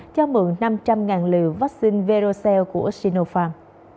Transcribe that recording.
cho mượn năm trăm linh liều vaccine verocel của sinopharm